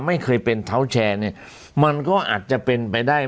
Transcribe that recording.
ไม่เคยเป็นเท้าแชร์เนี่ยมันก็อาจจะเป็นไปได้